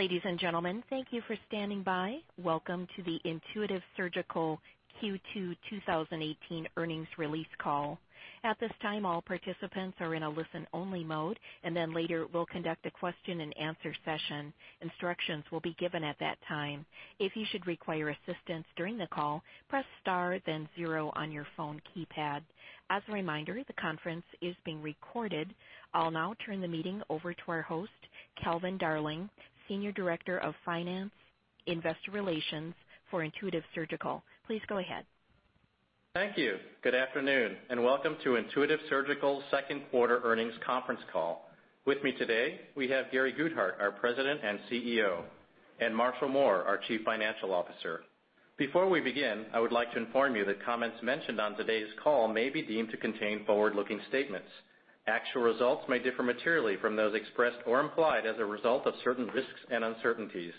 Ladies and gentlemen, thank you for standing by. Welcome to the Intuitive Surgical Q2 2018 earnings release call. At this time, all participants are in a listen-only mode. Later we'll conduct a question and answer session. Instructions will be given at that time. If you should require assistance during the call, press star then zero on your phone keypad. As a reminder, the conference is being recorded. I'll now turn the meeting over to our host, Calvin Darling, Senior Director of Finance, Investor Relations for Intuitive Surgical. Please go ahead. Thank you. Good afternoon, welcome to Intuitive Surgical second quarter earnings conference call. With me today, we have Gary Guthart, our President and CEO, and Marshall Mohr, our Chief Financial Officer. Before we begin, I would like to inform you that comments mentioned on today's call may be deemed to contain forward-looking statements. Actual results may differ materially from those expressed or implied as a result of certain risks and uncertainties.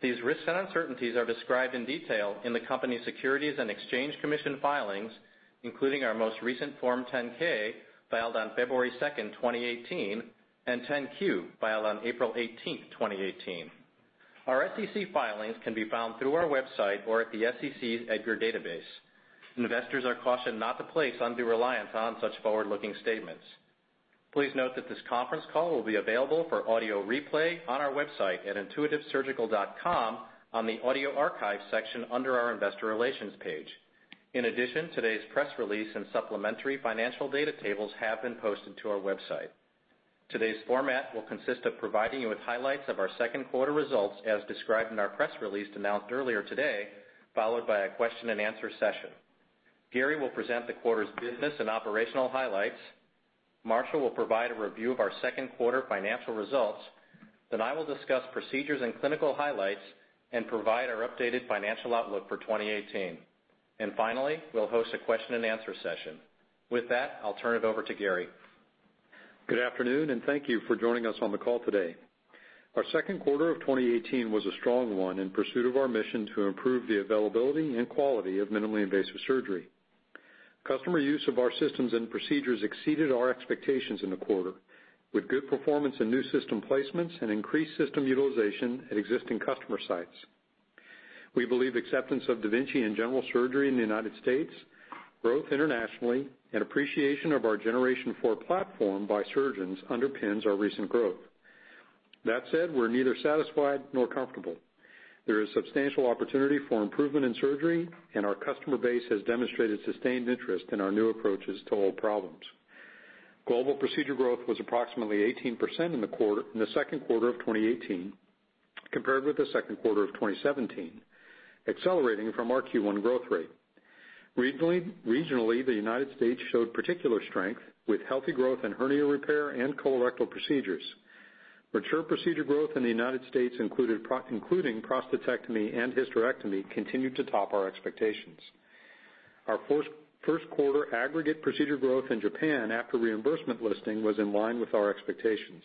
These risks and uncertainties are described in detail in the company's Securities and Exchange Commission filings, including our most recent Form 10-K filed on February 2nd, 2018, and 10-Q filed on April 18th, 2018. Our SEC filings can be found through our website or at the SEC's EDGAR database. Investors are cautioned not to place undue reliance on such forward-looking statements. Please note that this conference call will be available for audio replay on our website at intuitivesurgical.com on the audio archive section under our investor relations page. In addition, today's press release and supplementary financial data tables have been posted to our website. Today's format will consist of providing you with highlights of our second quarter results as described in our press release announced earlier today, followed by a question and answer session. Gary will present the quarter's business and operational highlights. Marshall will provide a review of our second quarter financial results. I will discuss procedures and clinical highlights and provide our updated financial outlook for 2018. Finally, we'll host a question and answer session. With that, I'll turn it over to Gary. Good afternoon, thank you for joining us on the call today. Our second quarter of 2018 was a strong one in pursuit of our mission to improve the availability and quality of minimally invasive surgery. Customer use of our systems and procedures exceeded our expectations in the quarter, with good performance in new system placements and increased system utilization at existing customer sites. We believe acceptance of da Vinci in general surgery in the U.S., growth internationally, and appreciation of our Generation 4 platform by surgeons underpins our recent growth. That said, we're neither satisfied nor comfortable. There is substantial opportunity for improvement in surgery. Our customer base has demonstrated sustained interest in our new approaches to old problems. Global procedure growth was approximately 18% in the second quarter of 2018 compared with the second quarter of 2017, accelerating from our Q1 growth rate. Regionally, the U.S. showed particular strength, with healthy growth in hernia repair and colorectal procedures. Mature procedure growth in the U.S., including prostatectomy and hysterectomy, continued to top our expectations. Our first quarter aggregate procedure growth in Japan after reimbursement listing was in line with our expectations.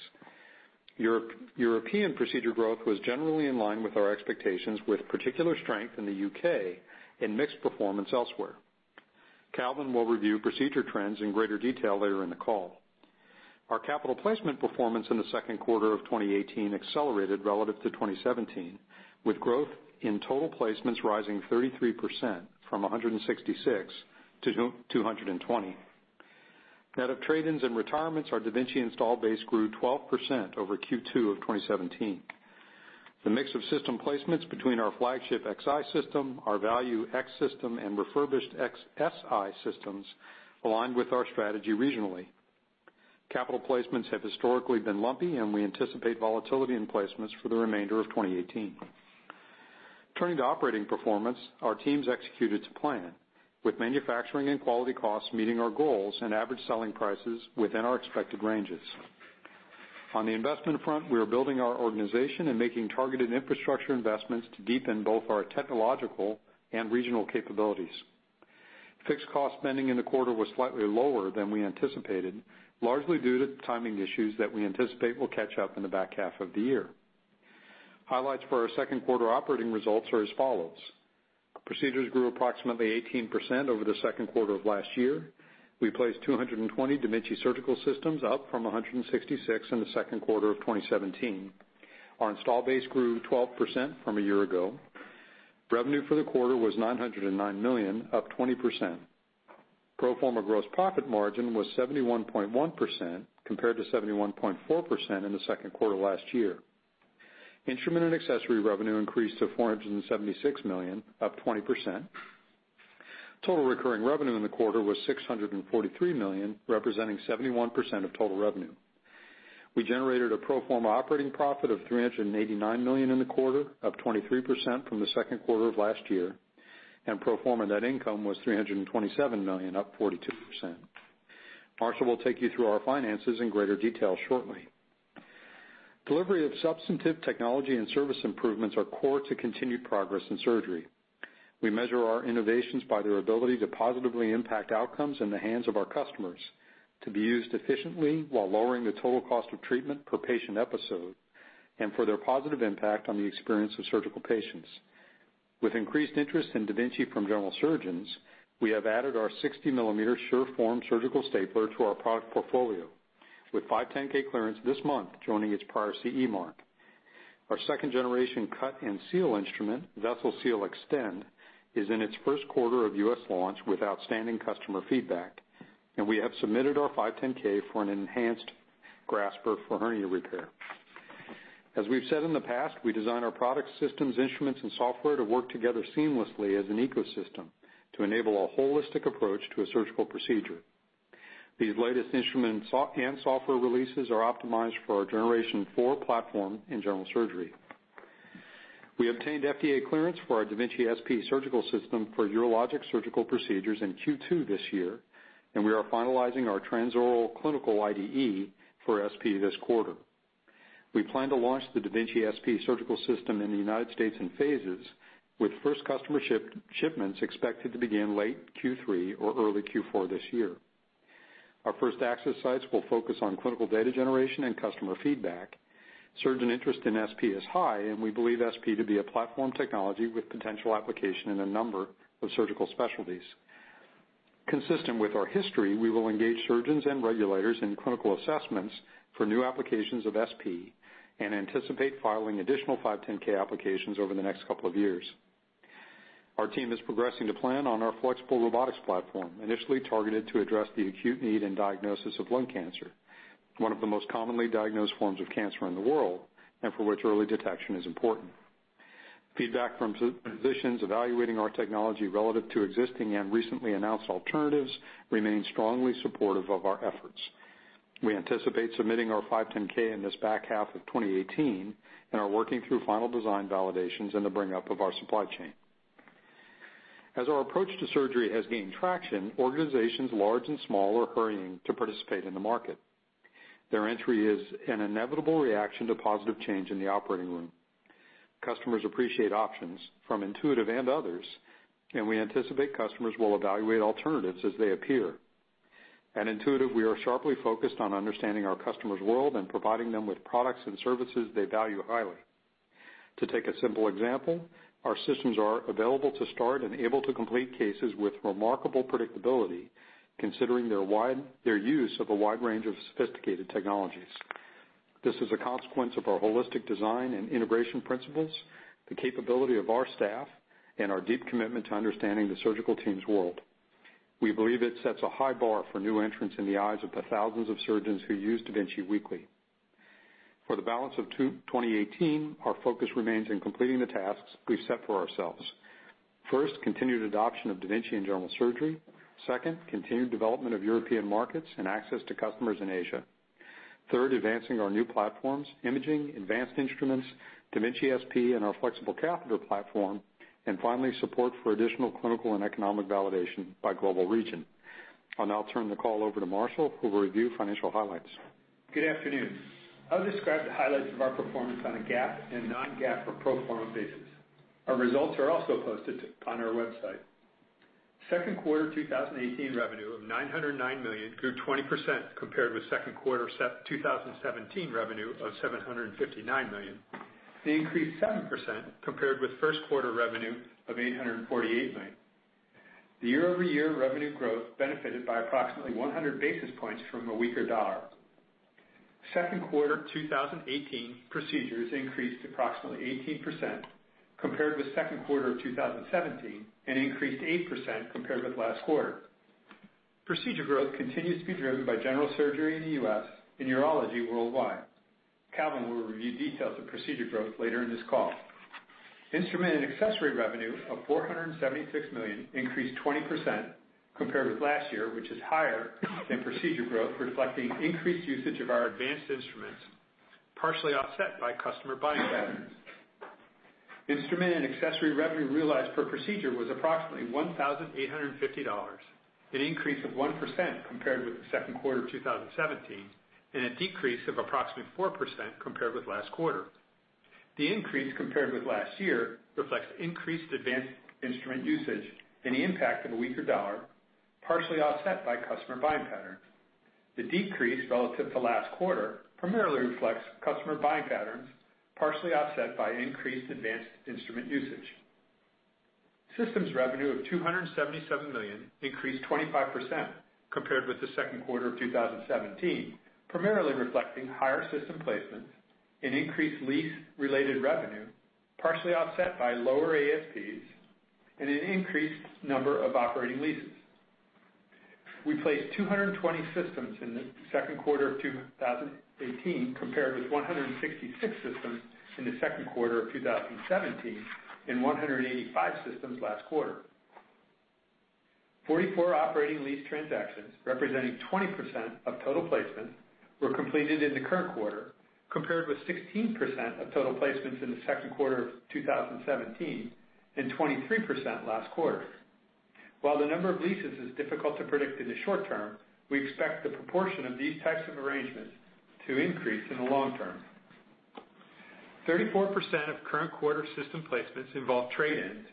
European procedure growth was generally in line with our expectations, with particular strength in the U.K. and mixed performance elsewhere. Calvin will review procedure trends in greater detail later in the call. Our capital placement performance in the second quarter of 2018 accelerated relative to 2017, with growth in total placements rising 33% from 166 to 220. Net of trade-ins and retirements, our da Vinci install base grew 12% over Q2 of 2017. The mix of system placements between our flagship Xi system, our value X system, and refurbished Si systems aligned with our strategy regionally. Capital placements have historically been lumpy. We anticipate volatility in placements for the remainder of 2018. Turning to operating performance, our teams executed to plan, with manufacturing and quality costs meeting our goals and average selling prices within our expected ranges. On the investment front, we are building our organization and making targeted infrastructure investments to deepen both our technological and regional capabilities. Fixed cost spending in the quarter was slightly lower than we anticipated, largely due to timing issues that we anticipate will catch up in the back half of the year. Highlights for our second quarter operating results are as follows. Procedures grew approximately 18% over the second quarter of last year. We placed 220 da Vinci surgical systems, up from 166 in the second quarter of 2017. Our install base grew 12% from a year ago. Revenue for the quarter was $909 million, up 20%. Pro forma gross profit margin was 71.1% compared to 71.4% in the second quarter last year. Instrument and accessory revenue increased to $476 million, up 20%. Total recurring revenue in the quarter was $643 million, representing 71% of total revenue. We generated a pro forma operating profit of $389 million in the quarter, up 23% from the second quarter of last year, and pro forma net income was $327 million, up 42%. Marshall will take you through our finances in greater detail shortly. Delivery of substantive technology and service improvements are core to continued progress in surgery. We measure our innovations by their ability to positively impact outcomes in the hands of our customers, to be used efficiently while lowering the total cost of treatment per patient episode, and for their positive impact on the experience of surgical patients. With increased interest in da Vinci from general surgeons, we have added our 60-millimeter SureForm surgical stapler to our product portfolio, with 510(k) clearance this month joining its prior CE mark. Our second-generation cut and seal instrument, Vessel Sealer Extend, is in its first quarter of U.S. launch with outstanding customer feedback. We have submitted our 510(k) for an enhanced grasper for hernia repair. As we've said in the past, we design our product systems, instruments, and software to work together seamlessly as an ecosystem to enable a holistic approach to a surgical procedure. These latest instruments and software releases are optimized for our Generation 4 platform in general surgery. We obtained FDA clearance for our da Vinci SP surgical system for urologic surgical procedures in Q2 this year. We are finalizing our transoral clinical IDE for SP this quarter. We plan to launch the da Vinci SP surgical system in the U.S. in phases with first customer shipments expected to begin late Q3 or early Q4 this year. Our first access sites will focus on clinical data generation and customer feedback. Surgeon interest in SP is high, and we believe SP to be a platform technology with potential application in a number of surgical specialties. Consistent with our history, we will engage surgeons and regulators in clinical assessments for new applications of SP and anticipate filing additional 510 applications over the next couple of years. Our team is progressing to plan on our flexible robotics platform, initially targeted to address the acute need in diagnosis of lung cancer, one of the most commonly diagnosed forms of cancer in the world, and for which early detection is important. Feedback from physicians evaluating our technology relative to existing and recently announced alternatives remains strongly supportive of our efforts. We anticipate submitting our 510 in this back half of 2018 and are working through final design validations in the bring up of our supply chain. As our approach to surgery has gained traction, organizations large and small are hurrying to participate in the market. Their entry is an inevitable reaction to positive change in the operating room. Customers appreciate options from Intuitive and others, and we anticipate customers will evaluate alternatives as they appear. At Intuitive, we are sharply focused on understanding our customers' world and providing them with products and services they value highly. To take a simple example, our systems are available to start and able to complete cases with remarkable predictability considering their use of a wide range of sophisticated technologies. This is a consequence of our holistic design and integration principles, the capability of our staff, and our deep commitment to understanding the surgical team's world. We believe it sets a high bar for new entrants in the eyes of the thousands of surgeons who use da Vinci weekly. For the balance of 2018, our focus remains in completing the tasks we've set for ourselves. First, continued adoption of da Vinci in general surgery. Second, continued development of European markets and access to customers in Asia. Third, advancing our new platforms, imaging, advanced instruments, da Vinci SP, and our flexible catheter platform. Finally, support for additional clinical and economic validation by global region. I'll now turn the call over to Marshall, who will review financial highlights. Good afternoon. I'll describe the highlights of our performance on a GAAP and non-GAAP or pro forma basis. Our results are also posted on our website. Second quarter 2018 revenue of $909 million grew 20% compared with second quarter 2017 revenue of $759 million. They increased 7% compared with first quarter revenue of $848 million. The year-over-year revenue growth benefited by approximately 100 basis points from a weaker dollar. Second quarter 2018 procedures increased approximately 18% compared with second quarter of 2017 and increased 8% compared with last quarter. Procedure growth continues to be driven by general surgery in the U.S. and urology worldwide. Calvin will review details of procedure growth later in this call. Instrument and accessory revenue of $476 million increased 20% compared with last year, which is higher than procedure growth, reflecting increased usage of our advanced instruments, partially offset by customer buying patterns. Instrument and accessory revenue realized per procedure was approximately $1,850, an increase of 1% compared with the second quarter of 2017, and a decrease of approximately 4% compared with last quarter. The increase compared with last year reflects increased advanced instrument usage and the impact of a weaker dollar, partially offset by customer buying patterns. The decrease relative to last quarter primarily reflects customer buying patterns, partially offset by increased advanced instrument usage. Systems revenue of $277 million increased 25% compared with the second quarter of 2017, primarily reflecting higher system placements and increased lease-related revenue, partially offset by lower ASPs and an increased number of operating leases. We placed 220 systems in the second quarter of 2018 compared with 166 systems in the second quarter of 2017 and 185 systems last quarter. 44 operating lease transactions representing 20% of total placements were completed in the current quarter, compared with 16% of total placements in the second quarter of 2017 and 23% last quarter. While the number of leases is difficult to predict in the short term, we expect the proportion of these types of arrangements to increase in the long term. 34% of current quarter system placements involve trade-ins,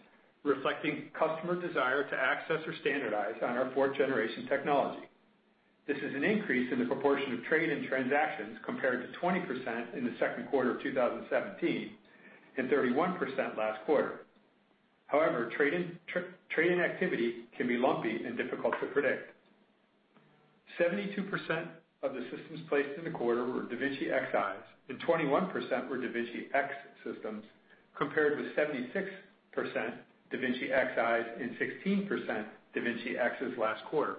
reflecting customer desire to access or standardize on our fourth-generation technology. This is an increase in the proportion of trade-in transactions compared to 20% in the second quarter of 2017 and 31% last quarter. However, trade-in activity can be lumpy and difficult to predict. 72% of the systems placed in the quarter were da Vinci Xis, and 21% were da Vinci X systems, compared with 76% da Vinci Xis and 16% da Vinci Xs last quarter.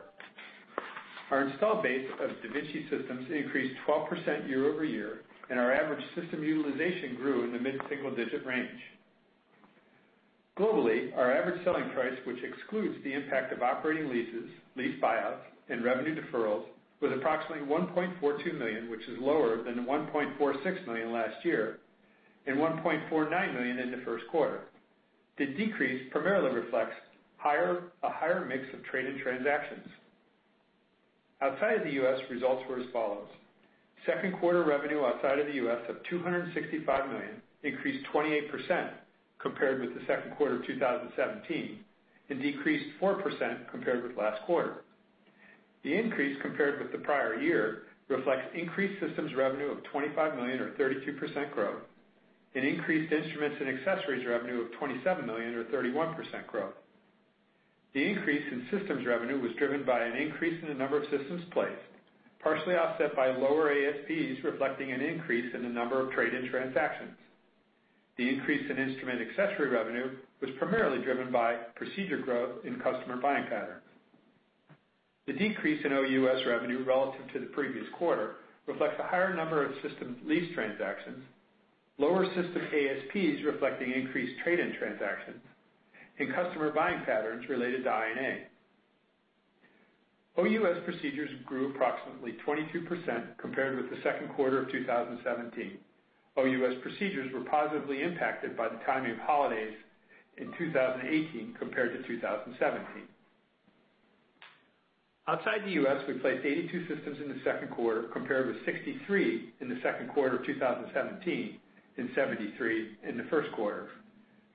Our install base of da Vinci systems increased 12% year-over-year, and our average system utilization grew in the mid-single-digit range. Globally, our average selling price, which excludes the impact of operating leases, lease buyouts, and revenue deferrals, was approximately $1.42 million, which is lower than the $1.46 million last year and $1.49 million in the first quarter. The decrease primarily reflects a higher mix of trade-in transactions. Outside of the U.S., results were as follows. Second quarter revenue outside of the U.S. of $265 million increased 28% compared with the second quarter of 2017 and decreased 4% compared with last quarter. The increase compared with the prior year reflects increased systems revenue of $25 million or 32% growth and increased instruments and accessories revenue of $27 million or 31% growth. The increase in systems revenue was driven by an increase in the number of systems placed, partially offset by lower ASPs, reflecting an increase in the number of trade-in transactions. The increase in instrument accessory revenue was primarily driven by procedure growth in customer buying patterns. The decrease in OUS revenue relative to the previous quarter reflects a higher number of system lease transactions, lower system ASPs reflecting increased trade-in transactions, and customer buying patterns related to I&A. OUS procedures grew approximately 22% compared with the second quarter of 2017. OUS procedures were positively impacted by the timing of holidays in 2018 compared to 2017. Outside the U.S., we placed 82 systems in the second quarter, compared with 63 in the second quarter of 2017 and 73 in the first quarter.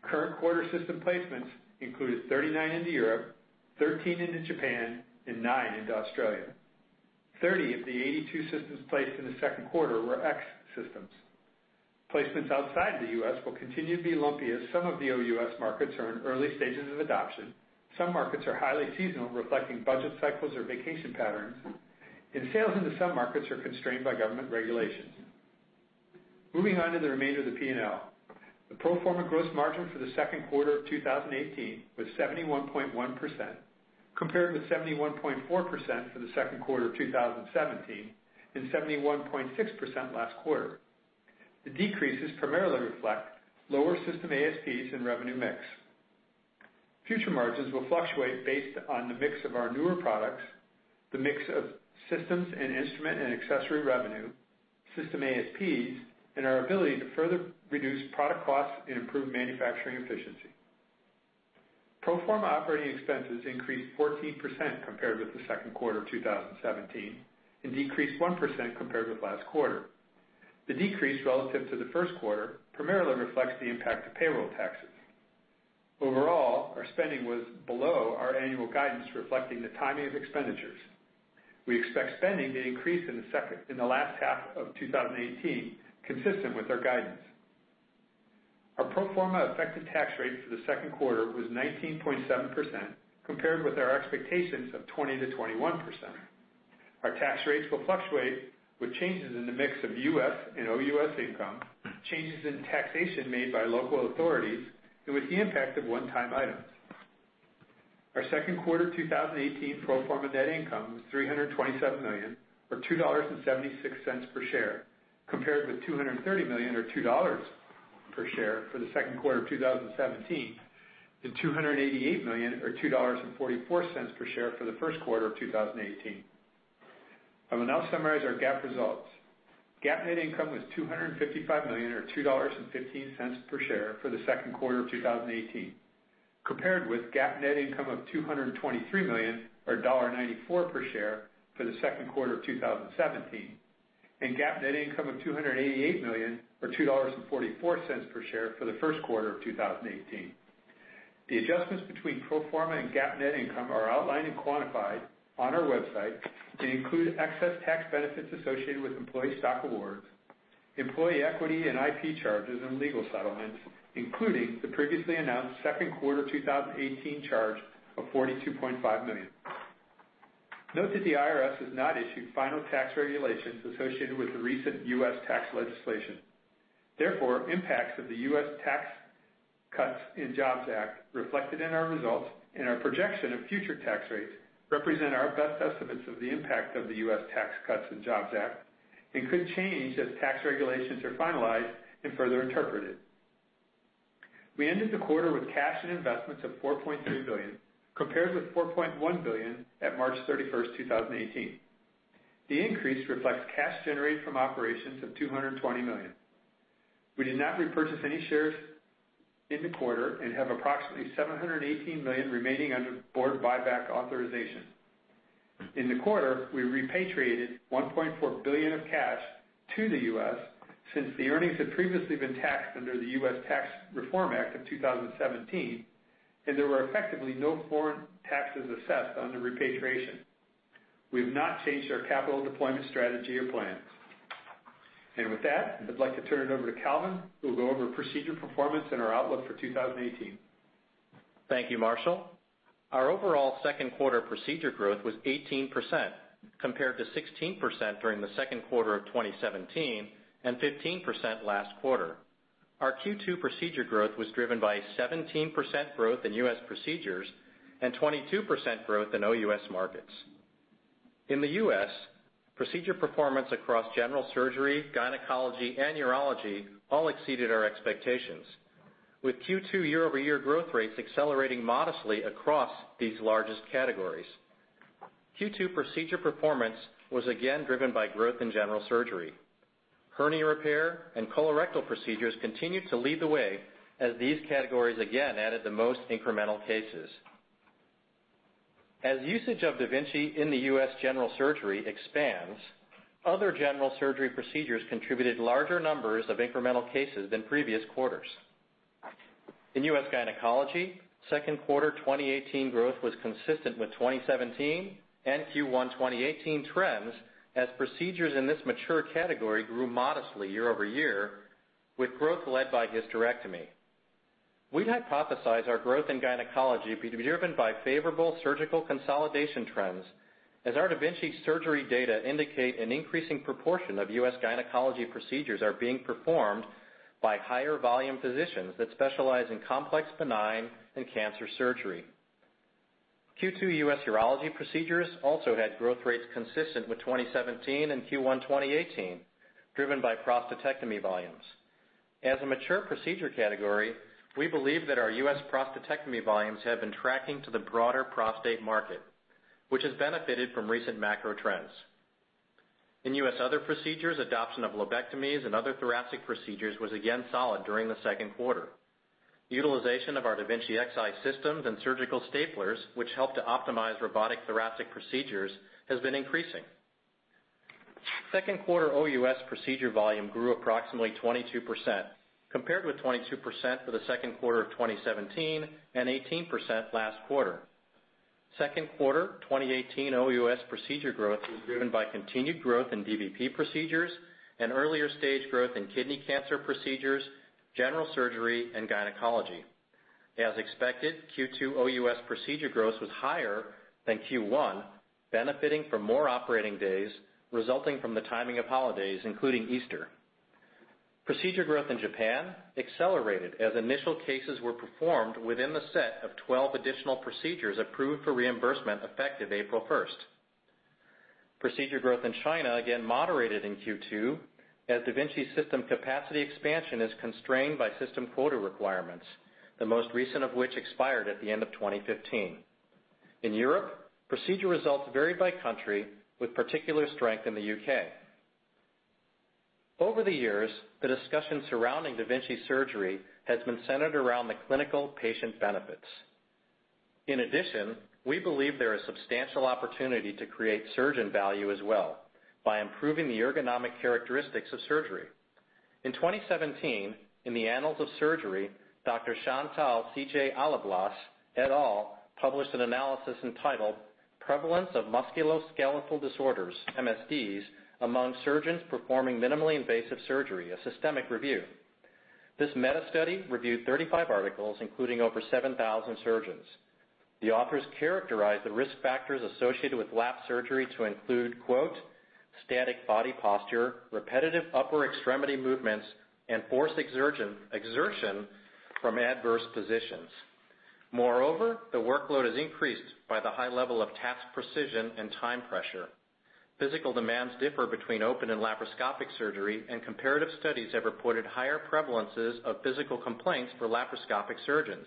Current quarter system placements included 39 into Europe, 13 into Japan, and nine into Australia. 30 of the 82 systems placed in the second quarter were X systems. Placements outside the U.S. will continue to be lumpy as some of the OUS markets are in early stages of adoption. Some markets are highly seasonal, reflecting budget cycles or vacation patterns, and sales into some markets are constrained by government regulations. Moving on to the remainder of the P&L. The pro forma gross margin for the second quarter of 2018 was 71.1%, compared with 71.4% for the second quarter of 2017 and 71.6% last quarter. The decreases primarily reflect lower system ASPs and revenue mix. Future margins will fluctuate based on the mix of our newer products, the mix of systems and instrument and accessory revenue, system ASPs, and our ability to further reduce product costs and improve manufacturing efficiency. Pro forma operating expenses increased 14% compared with the second quarter of 2017 and decreased 1% compared with last quarter. The decrease relative to the first quarter primarily reflects the impact of payroll taxes. Overall, our spending was below our annual guidance, reflecting the timing of expenditures. We expect spending to increase in the last half of 2018, consistent with our guidance. Our pro forma effective tax rate for the second quarter was 19.7%, compared with our expectations of 20%-21%. Our tax rates will fluctuate with changes in the mix of U.S. and OUS income, changes in taxation made by local authorities, and with the impact of one-time items. Our second quarter 2018 pro forma net income was $327 million, or $2.76 per share, compared with $230 million or $2 per share for the second quarter of 2017 and $288 million or $2.44 per share for the first quarter of 2018. I will now summarize our GAAP results. GAAP net income was $255 million, or $2.15 per share for the second quarter of 2018, compared with GAAP net income of $223 million, or $1.94 per share for the second quarter of 2017, and GAAP net income of $288 million or $2.44 per share for the first quarter of 2018. The adjustments between pro forma and GAAP net income are outlined and quantified on our website. They include excess tax benefits associated with employee stock awards, employee equity and IP charges, and legal settlements, including the previously announced second quarter 2018 charge of $42.5 million. Note that the IRS has not issued final tax regulations associated with the recent U.S. tax legislation. Therefore, impacts of the U.S. Tax Cuts and Jobs Act reflected in our results and our projection of future tax rates represent our best estimates of the impact of the U.S. Tax Cuts and Jobs Act and could change as tax regulations are finalized and further interpreted. We ended the quarter with cash and investments of $4.3 billion, compared with $4.1 billion at March 31st, 2018. The increase reflects cash generated from operations of $220 million. We did not repurchase any shares in the quarter and have approximately $718 million remaining under board buyback authorization. In the quarter, we repatriated $1.4 billion of cash to the U.S. since the earnings had previously been taxed under the U.S. Tax Reform Act of 2017. There were effectively no foreign taxes assessed on the repatriation. We've not changed our capital deployment strategy or plans. With that, I'd like to turn it over to Calvin, who will go over procedure performance and our outlook for 2018. Thank you, Marshall. Our overall second quarter procedure growth was 18%, compared to 16% during the second quarter of 2017 and 15% last quarter. Our Q2 procedure growth was driven by 17% growth in U.S. procedures and 22% growth in OUS markets. In the U.S., procedure performance across general surgery, gynecology, and urology all exceeded our expectations, with Q2 year-over-year growth rates accelerating modestly across these largest categories. Q2 procedure performance was again driven by growth in general surgery. Hernia repair and colorectal procedures continued to lead the way, as these categories again added the most incremental cases. As usage of da Vinci in the U.S. general surgery expands, other general surgery procedures contributed larger numbers of incremental cases than previous quarters. In U.S. gynecology, second quarter 2018 growth was consistent with 2017 and Q1 2018 trends, as procedures in this mature category grew modestly year-over-year, with growth led by hysterectomy. We hypothesize our growth in gynecology be driven by favorable surgical consolidation trends, as our da Vinci surgery data indicate an increasing proportion of U.S. gynecology procedures are being performed by higher volume physicians that specialize in complex benign and cancer surgery. Q2 U.S. urology procedures also had growth rates consistent with 2017 and Q1 2018, driven by prostatectomy volumes. As a mature procedure category, we believe that our U.S. prostatectomy volumes have been tracking to the broader prostate market, which has benefited from recent macro trends. In U.S. other procedures, adoption of lobectomies and other thoracic procedures was again solid during the second quarter. Utilization of our da Vinci Xi systems and surgical staplers, which help to optimize robotic thoracic procedures, has been increasing. Second quarter OUS procedure volume grew approximately 22%, compared with 22% for the second quarter of 2017 and 18% last quarter. Second quarter 2018 OUS procedure growth was driven by continued growth in DVP procedures and earlier stage growth in kidney cancer procedures, general surgery, and gynecology. As expected, Q2 OUS procedure growth was higher than Q1, benefiting from more operating days, resulting from the timing of holidays, including Easter. Procedure growth in Japan accelerated as initial cases were performed within the set of 12 additional procedures approved for reimbursement effective April 1st. Procedure growth in China again moderated in Q2, as da Vinci system capacity expansion is constrained by system quota requirements, the most recent of which expired at the end of 2015. In Europe, procedure results varied by country, with particular strength in the U.K. Over the years, the discussion surrounding da Vinci surgery has been centered around the clinical patient benefits. In addition, we believe there is substantial opportunity to create surgeon value as well by improving the ergonomic characteristics of surgery. In 2017, in the "Annals of Surgery," Dr. Chantal C.J. Alleblas, et al. published an analysis entitled, "Prevalence of musculoskeletal disorders, MSDs, among surgeons performing minimally invasive surgery: a systematic review." This meta study reviewed 35 articles, including over 7,000 surgeons. The authors characterize the risk factors associated with lap surgery to include, quote, "static body posture, repetitive upper extremity movements, and forced exertion from adverse positions. Moreover, the workload is increased by the high level of task precision and time pressure. Physical demands differ between open and laparoscopic surgery. Comparative studies have reported higher prevalences of physical complaints for laparoscopic surgeons.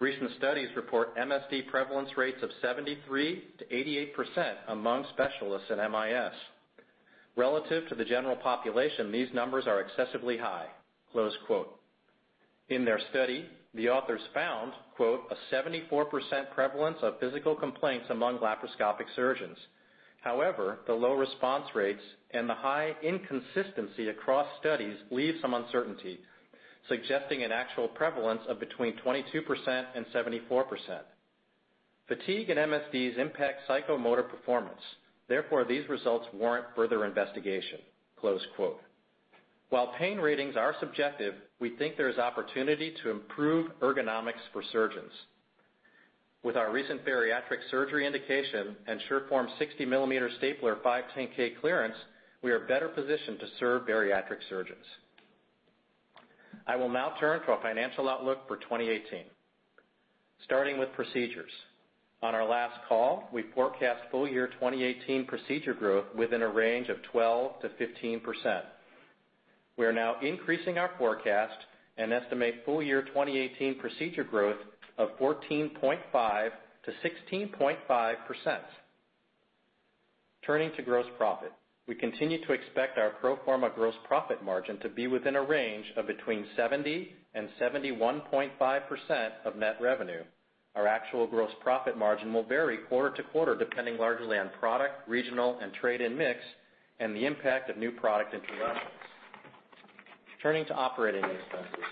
Recent studies report MSD prevalence rates of 73%-88% among specialists in MIS. Relative to the general population, these numbers are excessively high." Close quote. In their study, the authors found, quote, "a 74% prevalence of physical complaints among laparoscopic surgeons. The low response rates and the high inconsistency across studies leaves some uncertainty, suggesting an actual prevalence of between 22% and 74%. Fatigue and MSDs impact psychomotor performance. These results warrant further investigation." Close quote. While pain ratings are subjective, we think there's opportunity to improve ergonomics for surgeons. With our recent bariatric surgery indication and SureForm 60 mm stapler 510(k) clearance, we are better positioned to serve bariatric surgeons. I will now turn to our financial outlook for 2018. Starting with procedures. On our last call, we forecast full year 2018 procedure growth within a range of 12%-15%. We are now increasing our forecast and estimate full year 2018 procedure growth of 14.5%-16.5%. Turning to gross profit. We continue to expect our pro forma gross profit margin to be within a range of between 70% and 71.5% of net revenue. Our actual gross profit margin will vary quarter to quarter, depending largely on product, regional, and trade-in mix, and the impact of new product introductions. Turning to operating expenses.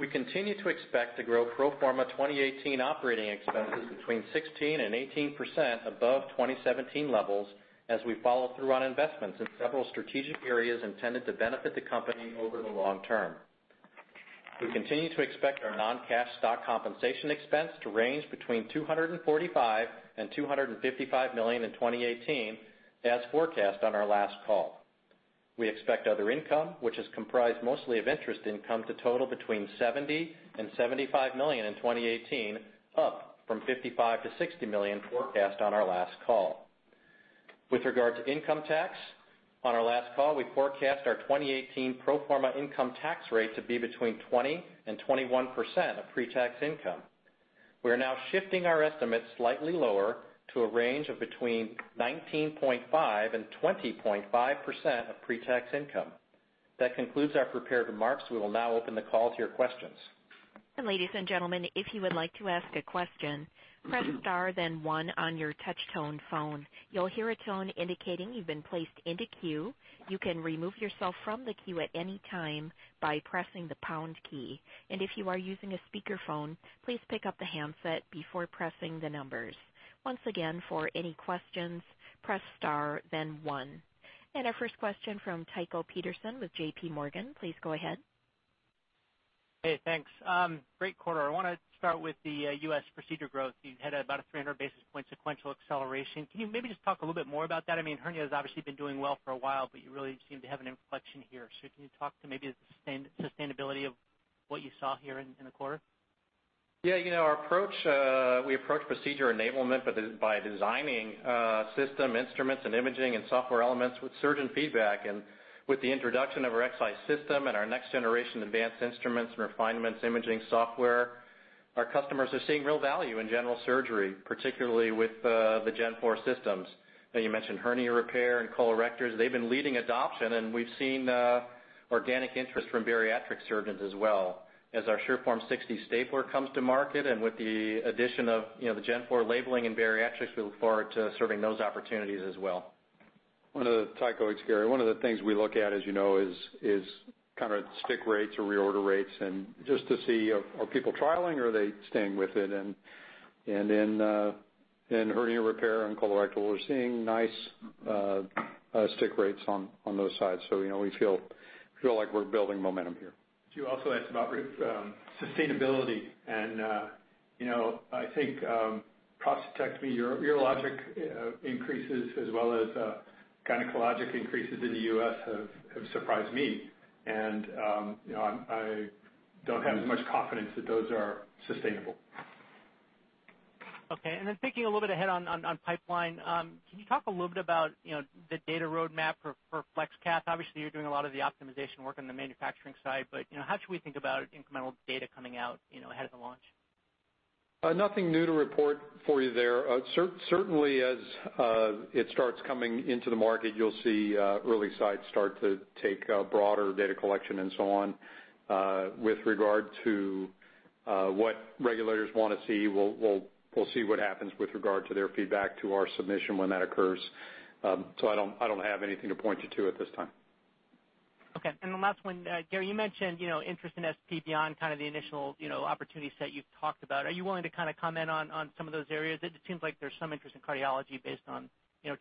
We continue to expect to grow pro forma 2018 operating expenses between 16% and 18% above 2017 levels as we follow through on investments in several strategic areas intended to benefit the company over the long term. We continue to expect our non-cash stock compensation expense to range between $245 and $255 million in 2018, as forecast on our last call. We expect other income, which is comprised mostly of interest income, to total between $70 and $75 million in 2018, up from $55 million-$60 million forecast on our last call. With regard to income tax, on our last call, we forecast our 2018 pro forma income tax rate to be between 20% and 21% of pre-tax income. We are now shifting our estimates slightly lower to a range of between 19.5% and 20.5% of pre-tax income. That concludes our prepared remarks. We will now open the call to your questions. Ladies and gentlemen, if you would like to ask a question, press star then one on your touch tone phone. You'll hear a tone indicating you've been placed in the queue. You can remove yourself from the queue at any time by pressing the pound key. If you are using a speakerphone, please pick up the handset before pressing the numbers. Once again, for any questions, press star then one. Our first question from Tycho Peterson with J.P. Morgan. Please go ahead. Hey, thanks. Great quarter. I want to start with the U.S. procedure growth. You had about a 300 basis point sequential acceleration. Can you maybe just talk a little bit more about that? I mean, hernia has obviously been doing well for a while, but you really seem to have an inflection here. Can you talk to maybe the sustainability of what you saw here in the quarter? Yeah, we approach procedure enablement by designing system instruments and imaging and software elements with surgeon feedback. With the introduction of our Xi system and our next generation advanced instruments and refinements imaging software, our customers are seeing real value in general surgery, particularly with the Gen 4 systems. Now, you mentioned hernia repair and colorectals. They've been leading adoption, and we've seen organic interest from bariatric surgeons as well. As our SureForm 60 stapler comes to market and with the addition of the Gen 4 labeling and bariatrics, we look forward to serving those opportunities as well. Tycho, it's Gary. One of the things we look at, as you know, is kind of stick rates or reorder rates, and just to see are people trialing or are they staying with it. In hernia repair and colorectal, we're seeing nice stick rates on those sides. We feel like we're building momentum here. You also asked about sustainability. I think prostatectomy, urologic increases, as well as gynecologic increases in the U.S. have surprised me. I don't have as much confidence that those are sustainable. Okay. Thinking a little bit ahead on pipeline, can you talk a little bit about the data roadmap for Ion? Obviously, you're doing a lot of the optimization work on the manufacturing side, but how should we think about incremental data coming out ahead of the launch? Nothing new to report for you there. Certainly, as it starts coming into the market, you'll see early sites start to take broader data collection and so on. With regard to what regulators want to see, we'll see what happens with regard to their feedback to our submission when that occurs. I don't have anything to point you to at this time. Okay. The last one, Gary, you mentioned interest in da Vinci SP beyond kind of the initial opportunity set you've talked about. Are you willing to kind of comment on some of those areas? It seems like there's some interest in cardiology based on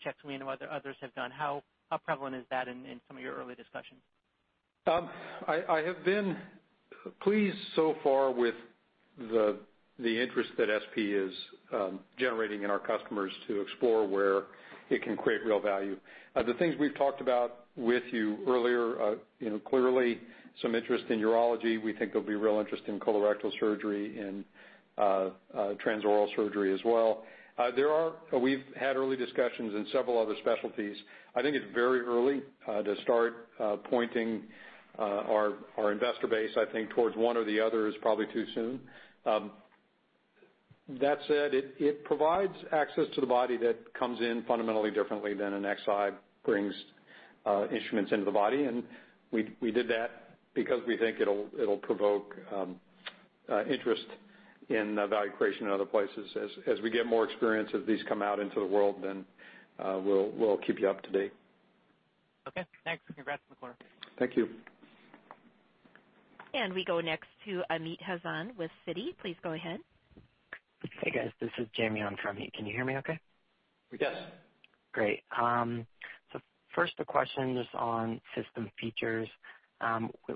checks we and others have done. How prevalent is that in some of your early discussions? I have been pleased so far with the interest that da Vinci SP is generating in our customers to explore where it can create real value. The things we've talked about with you earlier, clearly some interest in urology. We think there'll be real interest in colorectal surgery and transoral surgery as well. We've had early discussions in several other specialties. I think it's very early to start pointing our investor base, I think, towards one or the other is probably too soon. That said, it provides access to the body that comes in fundamentally differently than a da Vinci Xi brings instruments into the body. We did that because we think it'll provoke interest in value creation in other places. As we get more experience as these come out into the world, we'll keep you up to date. Okay. Thanks, congrats on the quarter. Thank you. We go next to Amit Hazan with Citi. Please go ahead. Hey, guys, this is Jamie on from Amit. Can you hear me okay? We can. Great. First, a question just on system features.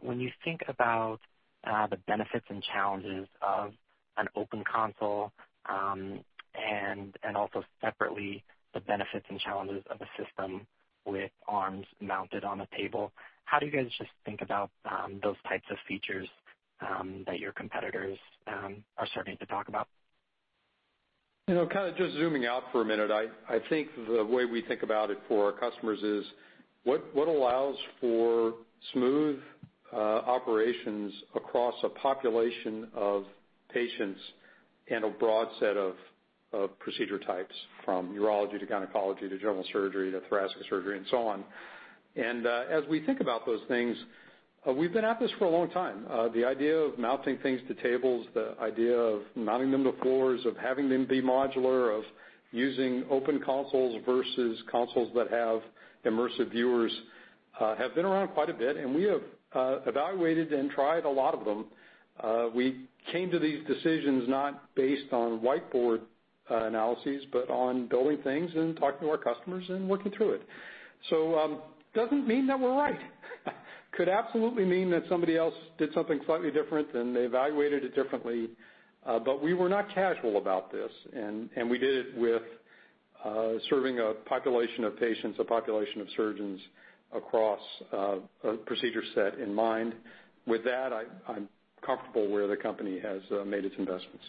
When you think about the benefits and challenges of an open console, and also separately, the benefits and challenges of a system with arms mounted on a table, how do you guys just think about those types of features that your competitors are starting to talk about? Kind of just zooming out for a minute, I think the way we think about it for our customers is what allows for smooth operations across a population of patients and a broad set of procedure types, from urology to gynecology to general surgery to thoracic surgery and so on. As we think about those things, we've been at this for a long time. The idea of mounting things to tables, the idea of mounting them to floors, of having them be modular, of using open consoles versus consoles that have immersive viewers have been around quite a bit, and we have evaluated and tried a lot of them. We came to these decisions not based on whiteboard analyses, but on building things and talking to our customers and working through it. It doesn't mean that we're right. Could absolutely mean that somebody else did something slightly different and they evaluated it differently. We were not casual about this, and we did it with serving a population of patients, a population of surgeons across a procedure set in mind. With that, I'm comfortable where the company has made its investments.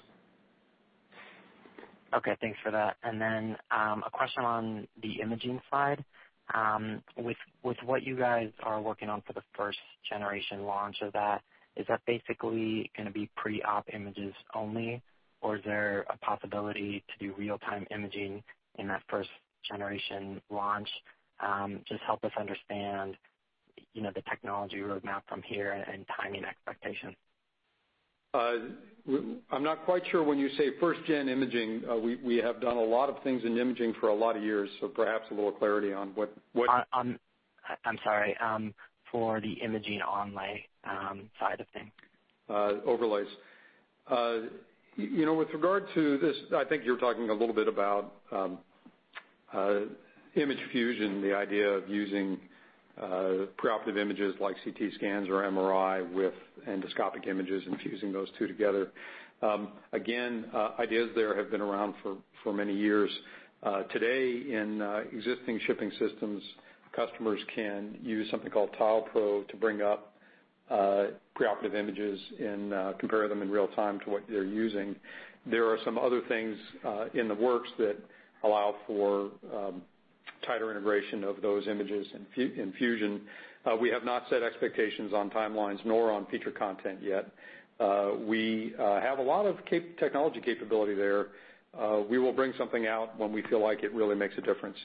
Okay, thanks for that. A question on the imaging side. With what you guys are working on for the first-generation launch of that, is that basically going to be pre-op images only, or is there a possibility to do real-time imaging in that first-generation launch? Just help us understand the technology roadmap from here and timing expectation. I'm not quite sure when you say first-gen imaging. We have done a lot of things in imaging for a lot of years, so perhaps a little clarity on what- I'm sorry. For the imaging overlay side of things. Overlays. With regard to this, I think you're talking a little bit about image fusion, the idea of using preoperative images like CT scans or MRI with endoscopic images and fusing those two together. Ideas there have been around for many years. Today, in existing shipping systems, customers can use something called TilePro to bring up preoperative images and compare them in real time to what they're using. There are some other things in the works that allow for tighter integration of those images and fusion. We have not set expectations on timelines nor on feature content yet. We have a lot of technology capability there. We will bring something out when we feel like it really makes a difference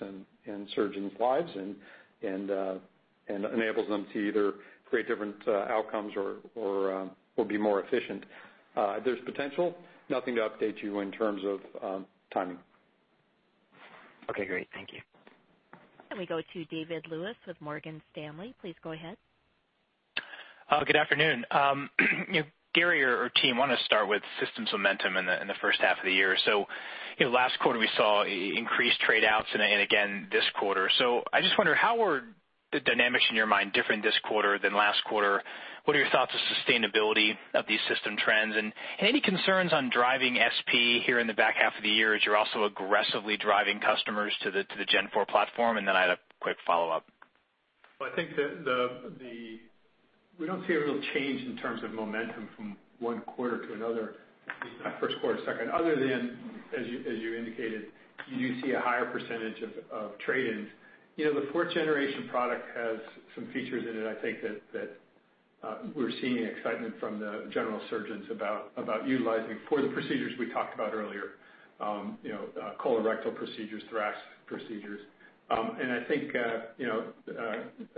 in surgeons' lives and enables them to either create different outcomes or will be more efficient. There's potential. Nothing to update you in terms of timing. Okay, great. Thank you. We go to David Lewis with Morgan Stanley. Please go ahead. Good afternoon. Gary or team, I want to start with systems momentum in the first half of the year. Last quarter, we saw increased trade-outs and again this quarter. I just wonder, how are the dynamics in your mind different this quarter than last quarter? What are your thoughts on sustainability of these system trends, and any concerns on driving SP here in the back half of the year as you're also aggressively driving customers to the Gen 4 platform? I had a quick follow-up. I think that we don't see a real change in terms of momentum from one quarter to another, first quarter, second, other than, as you indicated, you do see a higher percentage of trade-ins. The fourth-generation product has some features in it, I think that we're seeing excitement from the general surgeons about utilizing for the procedures we talked about earlier. Colorectal procedures, thoracic procedures. I think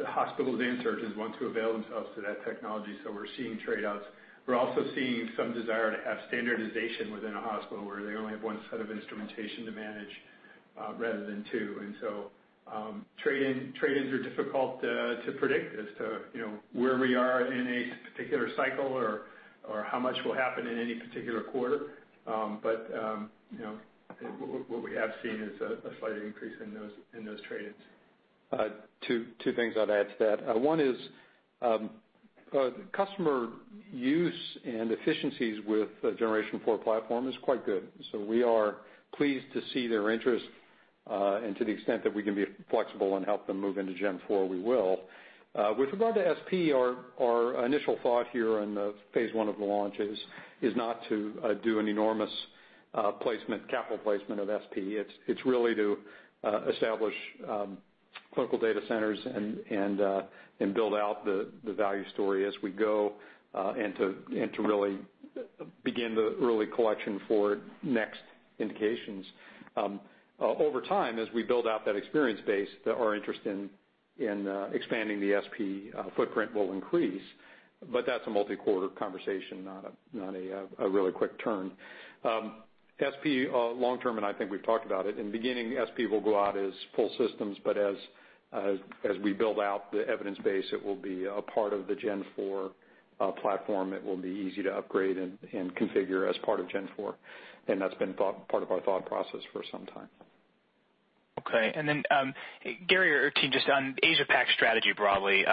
hospitals and surgeons want to avail themselves to that technology, so we're seeing trade-outs. We're also seeing some desire to have standardization within a hospital where they only have one set of instrumentation to manage rather than two. Trade-ins are difficult to predict as to where we are in a particular cycle or how much will happen in any particular quarter. What we have seen is a slight increase in those trade-ins. Two things I'd add to that. One is customer use and efficiencies with the Generation 4 platform is quite good. We are pleased to see their interest, and to the extent that we can be flexible and help them move into Gen 4, we will. With regard to SP, our initial thought here on the phase one of the launch is not to do an enormous capital placement of SP. It's really to establish clinical data centers and build out the value story as we go, and to really begin the early collection for next indications. Over time, as we build out that experience base, our interest in expanding the SP footprint will increase. That's a multi-quarter conversation, not a really quick turn. SP long term, I think we've talked about it. In the beginning, SP will go out as full systems. As we build out the evidence base, it will be a part of the Gen 4 platform. It will be easy to upgrade and configure as part of Gen 4. That's been part of our thought process for some time. Gary or team, just on Asia-Pac strategy broadly.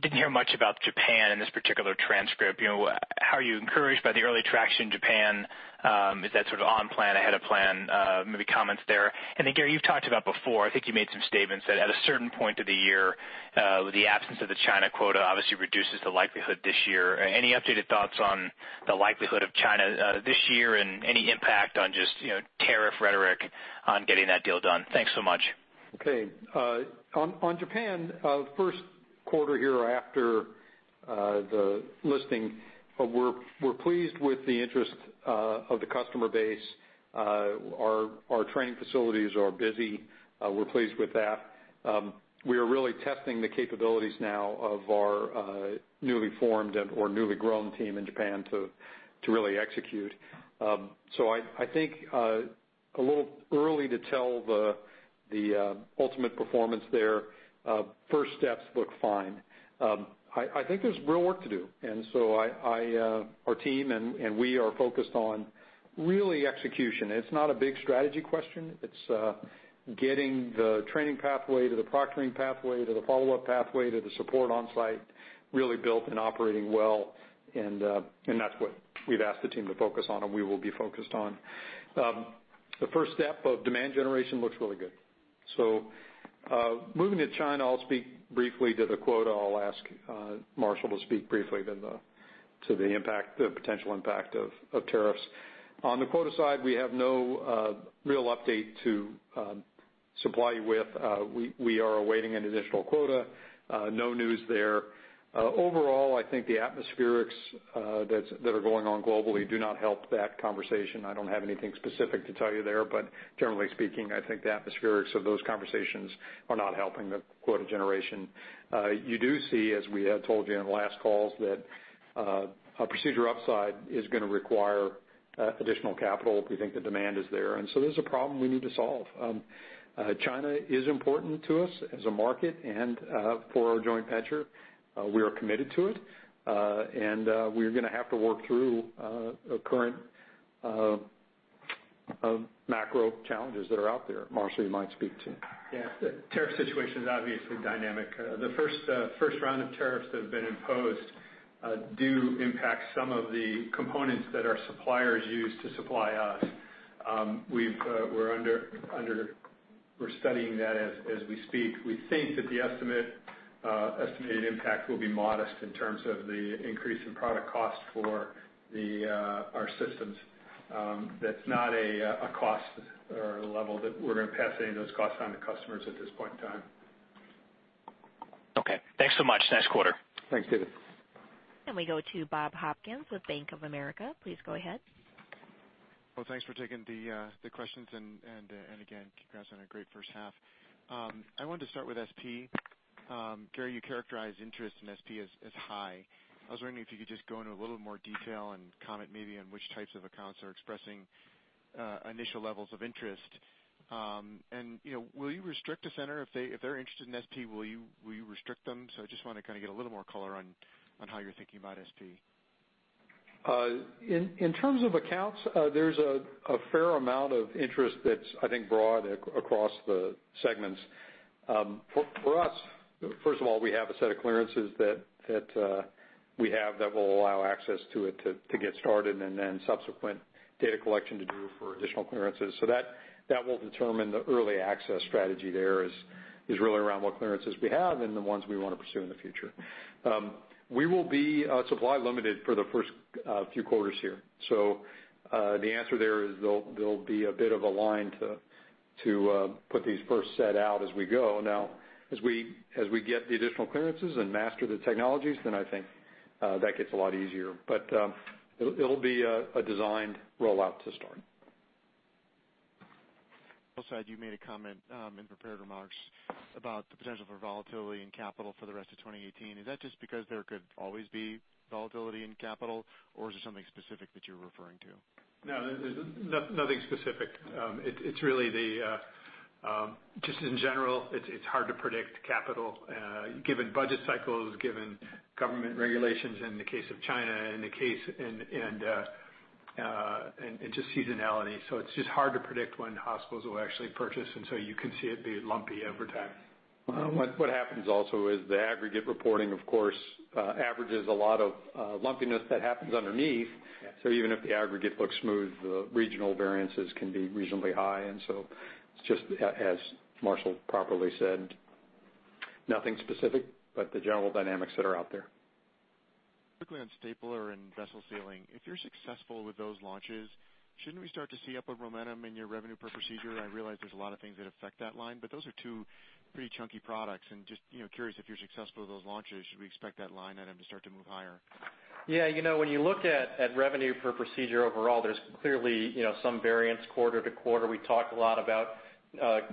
Didn't hear much about Japan in this particular transcript. How are you encouraged by the early traction in Japan? Is that sort of on plan, ahead of plan? Maybe comments there. Gary, you've talked about before, I think you made some statements that at a certain point of the year, the absence of the China quota obviously reduces the likelihood this year. Any updated thoughts on the likelihood of China this year and any impact on just tariff rhetoric on getting that deal done? Thanks so much. Okay. On Japan, first quarter here after the listing, we're pleased with the interest of the customer base. Our training facilities are busy. We're pleased with that. We are really testing the capabilities now of our newly formed or newly grown team in Japan to really execute. I think a little early to tell the ultimate performance there. First steps look fine. I think there's real work to do. Our team and we are focused on really execution. It's not a big strategy question. It's getting the training pathway to the proctoring pathway to the follow-up pathway to the support on-site, really built and operating well, and that's what we've asked the team to focus on, and we will be focused on. The first step of demand generation looks really good. Moving to China, I'll speak briefly to the quota. I'll ask Marshall to speak briefly to the potential impact of tariffs. On the quota side, we have no real update to supply you with. We are awaiting an additional quota. No news there. Overall, I think the atmospherics that are going on globally do not help that conversation. I don't have anything specific to tell you there, but generally speaking, I think the atmospherics of those conversations are not helping the quota generation. You do see, as we have told you in the last calls, that a procedure upside is going to require additional capital. We think the demand is there, and so there's a problem we need to solve. China is important to us as a market and for our joint venture. We are committed to it. We are going to have to work through current macro challenges that are out there. Marshall, you might speak to. Yeah. The tariff situation is obviously dynamic. The first round of tariffs that have been imposed do impact some of the components that our suppliers use to supply us. We're studying that as we speak. We think that the estimated impact will be modest in terms of the increase in product cost for our systems. That's not a cost or a level that we're going to pass any of those costs on to customers at this point in time. Okay, thanks so much. Nice quarter. Thanks, David. We go to Bob Hopkins with Bank of America. Please go ahead. Well, thanks for taking the questions, and again, congrats on a great first half. I wanted to start with SP. Gary, you characterized interest in SP as high. I was wondering if you could just go into a little more detail and comment maybe on which types of accounts are expressing initial levels of interest. Will you restrict a center? If they're interested in SP, will you restrict them? I just want to kind of get a little more color on how you're thinking about SP. In terms of accounts, there's a fair amount of interest that's, I think, broad across the segments. For us, first of all, we have a set of clearances that we have that will allow access to it to get started, and then subsequent data collection to do for additional clearances. That will determine the early access strategy there is really around what clearances we have and the ones we want to pursue in the future. We will be supply limited for the first few quarters here. The answer there is there'll be a bit of a line to put these first set out as we go. As we get the additional clearances and master the technologies, then I think that gets a lot easier. It'll be a designed rollout to start. You said you made a comment in prepared remarks about the potential for volatility in capital for the rest of 2018. Is that just because there could always be volatility in capital, or is there something specific that you're referring to? No, there's nothing specific. Just in general, it's hard to predict capital given budget cycles, given government regulations in the case of China, and just seasonality. It's just hard to predict when hospitals will actually purchase, and so you can see it be lumpy every time. What happens also is the aggregate reporting, of course, averages a lot of lumpiness that happens underneath. Yeah. Even if the aggregate looks smooth, the regional variances can be reasonably high. It's just as Marshall properly said, nothing specific but the general dynamics that are out there. Quickly on stapler and vessel sealing. If you're successful with those launches, shouldn't we start to see upward momentum in your revenue per procedure? I realize there's a lot of things that affect that line, but those are two pretty chunky products, and just curious if you're successful with those launches, should we expect that line item to start to move higher? Yeah. When you look at revenue per procedure overall, there's clearly some variance quarter to quarter. We talked a lot about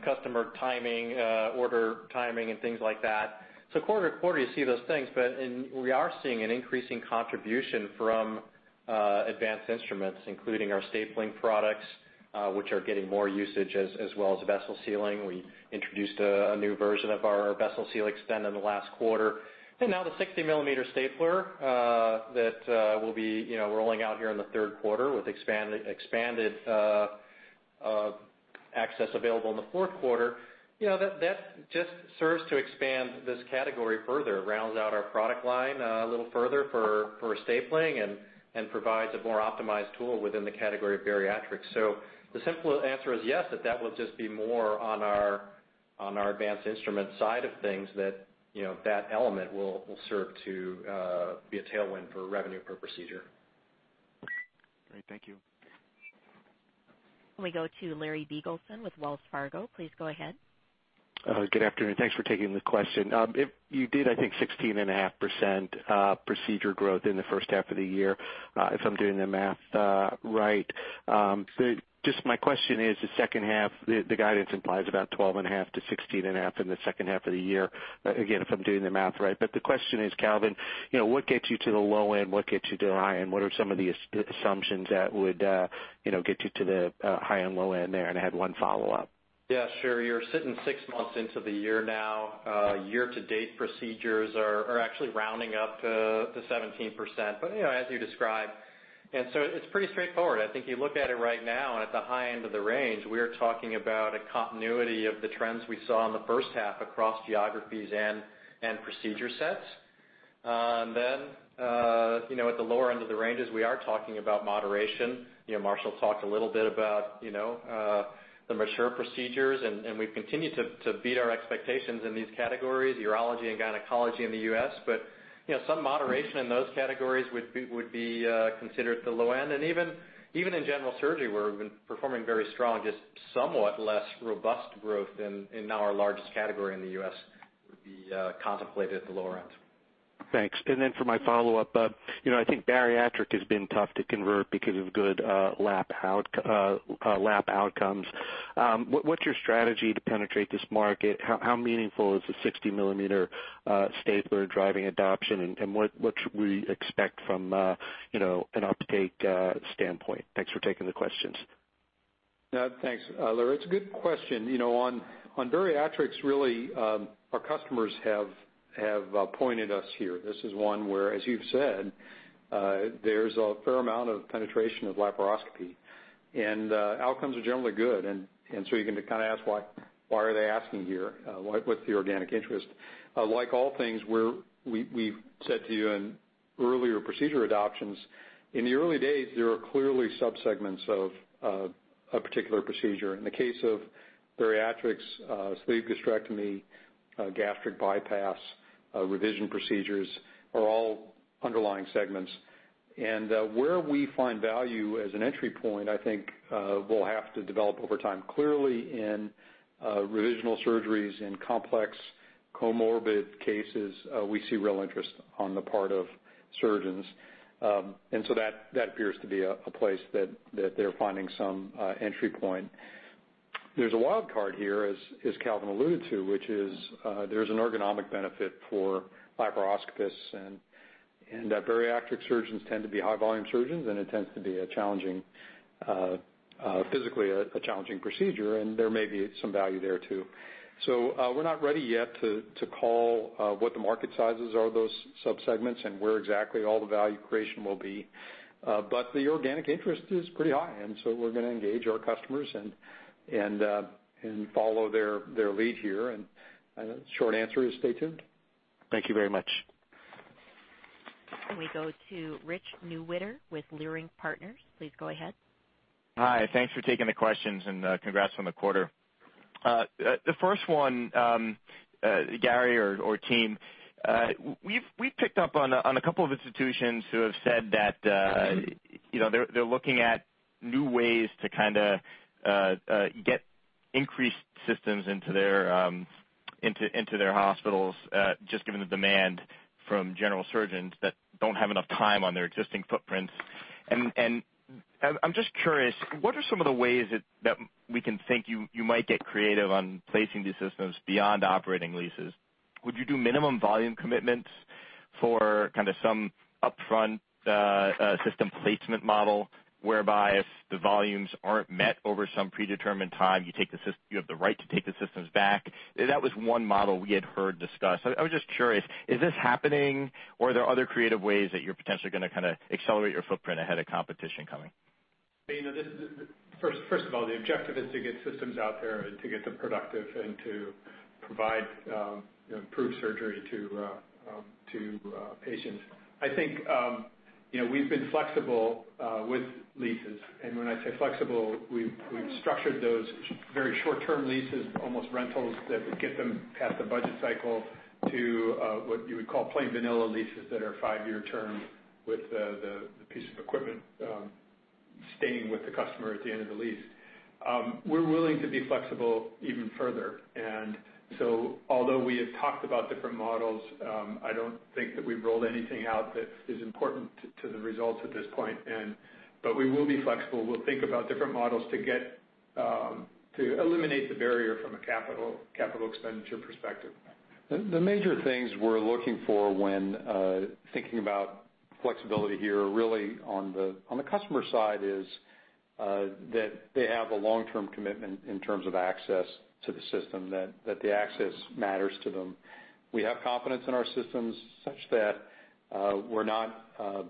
customer timing, order timing, and things like that. Quarter to quarter, you see those things, but we are seeing an increasing contribution from advanced instruments, including our stapling products which are getting more usage, as well as vessel sealing. We introduced a new version of our Vessel Sealer Extend in the last quarter. Now the 60 mm stapler that we'll be rolling out here in the third quarter with expanded access available in the fourth quarter. That just serves to expand this category further, rounds out our product line a little further for stapling and provides a more optimized tool within the category of bariatrics. The simple answer is yes, that will just be more on our advanced instrument side of things that element will serve to be a tailwind for revenue per procedure. Great. Thank you. We go to Larry Biegelsen with Wells Fargo. Please go ahead. Good afternoon. Thanks for taking the question. You did, I think, 16.5% procedure growth in the first half of the year, if I'm doing the math right. My question is the second half, the guidance implies about 12.5%-16.5% in the second half of the year. Again, if I'm doing the math right. The question is, Calvin, what gets you to the low end? What gets you to the high end? What are some of the assumptions that would get you to the high and low end there? I had one follow-up. Yeah, sure. You're sitting six months into the year now. Year to date procedures are actually rounding up to 17%. As you described, it's pretty straightforward. I think you look at it right now, at the high end of the range, we are talking about a continuity of the trends we saw in the first half across geographies and procedure sets. Then at the lower end of the ranges, we are talking about moderation. Marshall talked a little bit about the mature procedures. We've continued to beat our expectations in these categories, urology and gynecology in the U.S. Some moderation in those categories would be considered at the low end. Even in general surgery, where we've been performing very strong, just somewhat less robust growth in now our largest category in the U.S. would be contemplated at the lower end. Thanks. For my follow-up, I think bariatric has been tough to convert because of good lap outcomes. What's your strategy to penetrate this market? How meaningful is the 60 millimeter stapler driving adoption, and what should we expect from an uptake standpoint? Thanks for taking the questions. Thanks, Larry. It's a good question. On bariatrics, really, our customers have pointed us here. This is one where, as you've said, there's a fair amount of penetration of laparoscopy, and outcomes are generally good. You're going to ask why are they asking here? What's the organic interest? Like all things, we've said to you in earlier procedure adoptions, in the early days, there are clearly subsegments of a particular procedure. In the case of bariatrics, sleeve gastrectomy, gastric bypass, revision procedures are all underlying segments. Where we find value as an entry point, I think, will have to develop over time. Clearly, in revisional surgeries, in complex comorbid cases, we see real interest on the part of surgeons. That appears to be a place that they're finding some entry point. There's a wild card here, as Calvin alluded to, which is there's an ergonomic benefit for laparoscopists. Bariatric surgeons tend to be high volume surgeons, it tends to be physically a challenging procedure, there may be some value there, too. We're not ready yet to call what the market sizes are of those subsegments and where exactly all the value creation will be. The organic interest is pretty high, we're going to engage our customers and follow their lead here, short answer is stay tuned. Thank you very much. We go to Rich Newitter with Leerink Partners. Please go ahead. Hi. Thanks for taking the questions and congrats on the quarter. The first one, Gary or team, we've picked up on a couple of institutions who have said that they're looking at new ways to get increased systems into their hospitals, just given the demand from general surgeons that don't have enough time on their existing footprints. I'm just curious, what are some of the ways that we can think you might get creative on placing these systems beyond operating leases? Would you do minimum volume commitments for some upfront system placement model, whereby if the volumes aren't met over some predetermined time, you have the right to take the systems back? That was one model we had heard discussed. I was just curious, is this happening or are there other creative ways that you're potentially going to accelerate your footprint ahead of competition coming? First of all, the objective is to get systems out there and to get them productive and to provide improved surgery to patients. I think we've been flexible with leases. When I say flexible, we've structured those very short-term leases, almost rentals that get them past the budget cycle to what you would call plain vanilla leases that are five-year term with the piece of equipment staying with the customer at the end of the lease. We're willing to be flexible even further. Although we have talked about different models, I don't think that we've rolled anything out that is important to the results at this point. We will be flexible. We'll think about different models to eliminate the barrier from a capital expenditure perspective. The major things we're looking for when thinking about flexibility here, really on the customer side, is that they have a long-term commitment in terms of access to the system, that the access matters to them. We have confidence in our systems such that we're not